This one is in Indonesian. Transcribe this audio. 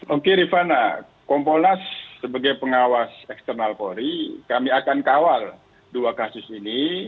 oke rifana kompolnas sebagai pengawas eksternal polri kami akan kawal dua kasus ini